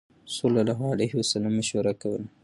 رسول الله صلی الله عليه وسلم مشوره کوله.